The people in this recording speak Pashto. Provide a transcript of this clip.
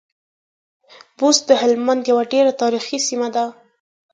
بُست د هلمند يوه ډېره تاريخي سیمه ده.